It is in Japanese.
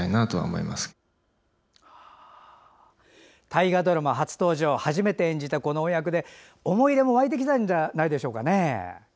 大河ドラマ初登場初めて演じたこの役で思い入れも沸いてきたんじゃないですかね。